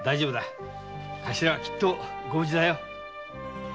カシラはきっとご無事だよ。